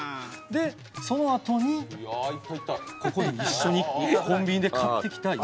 でそのあとにここに一緒にコンビニで買ってきたイカフライを投入。